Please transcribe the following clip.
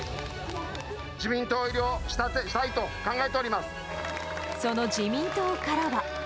自民党入りをしたいと考えてその自民党からは。